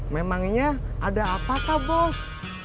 memangnya ada apa bos